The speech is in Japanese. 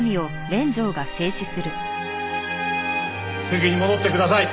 席に戻ってください。